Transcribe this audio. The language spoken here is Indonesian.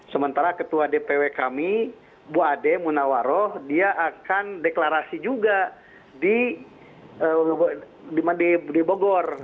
sementara ketua dpw kami bu ade munawaroh dia akan deklarasi juga di bogor